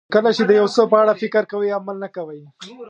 کله چې د یو څه په اړه فکر کوئ عمل نه کوئ.